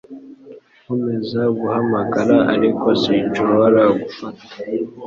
Nkomeza guhamagara, ariko sinshobora gufata .